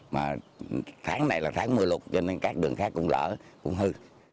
mà tháng này là tháng mưa lụt cho nên các đường khác cũng lỡ cũng hư